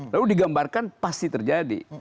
lalu digambarkan pasti terjadi